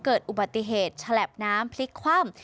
เกิดอุบัติเหตุฉลับน้ำพลิกคว่ำ